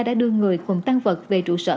đã đưa người cùng tăng vật về trụ sở